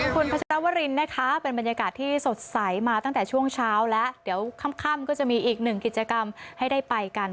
คุณพัชรวรินนะคะเป็นบรรยากาศที่สดใสมาตั้งแต่ช่วงเช้าแล้วเดี๋ยวค่ำก็จะมีอีกหนึ่งกิจกรรมให้ได้ไปกัน